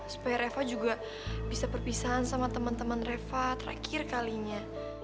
supaya reva juga bisa perpisahan sama temen temen reva terakhir kalinya